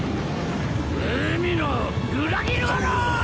海の裏切り者！